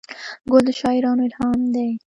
ګل د شاعرانو الهام دی.